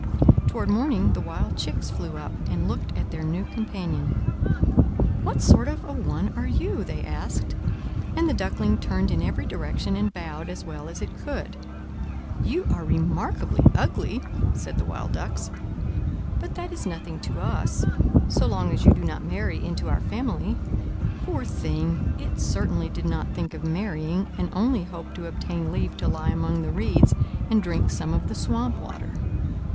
Toward morning the wild chicks flew up, and looked at their new companion. "What sort of a one are you?" they asked; and the Duckling turned in every direction, and bowed as well as it could. You are remarkably ugly!" said the Wild Ducks. "But that is nothing to us, so long as you do not marry into our family." Poor thing! it certainly did not think of marrying, and only hoped to obtain leave to lie among the reeds and drink some of the swamp water.